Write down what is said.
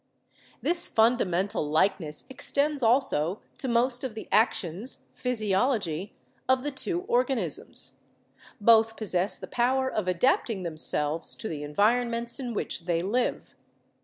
"This fundamental likeness extends also to most of the actions (physiology) of the two organisms. Both possess the power of adapting themselves to the environments in which they live.